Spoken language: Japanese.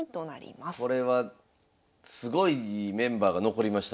これはすごいメンバーが残りましたね。